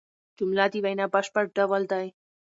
جمله د وینا بشپړ ډول دئ.